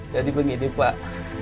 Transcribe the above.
jadi begini pak